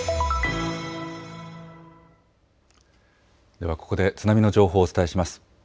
ではここで津波の情報をお伝えします。